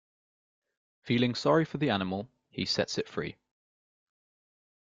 Feeling sorry for the animal, he sets it free.